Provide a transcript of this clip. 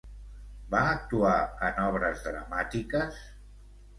Va actuar en obres dramàtiques?